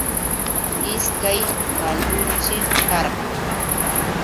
Ishkay bayulshi karqa.